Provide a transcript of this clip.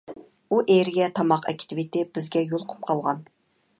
ئۇ ئېرىگە تاماق ئەكېتىۋېتىپ بىزگە يولۇقۇپ قالغان.